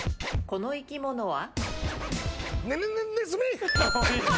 この生き物は？